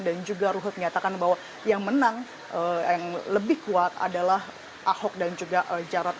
dan juga ruhut nyatakan bahwa yang menang yang lebih kuat adalah ahok dan juga jarad